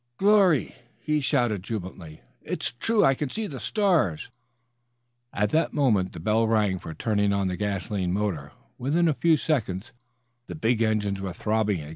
"Glory!" he shouted, jubilantly. "It's true. I can see the stars." At that moment the bell rang for turning on the gasoline motor. Within a few seconds the big engines were throbbing.